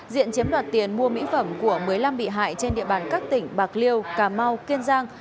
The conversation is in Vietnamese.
diện chiếm đoạt tiền mua mỹ phẩm của một mươi năm bị hại trên địa bàn các tỉnh bạc liêu cà mau kiên giang